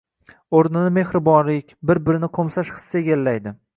o‘rnini mehribonlik, bir-birini qo‘msash hissi egallaydi.